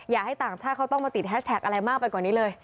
อยากให้ต่างชาติเขาต้องมาติดแฮชแท็กอะไรมากไปกว่านี้เลย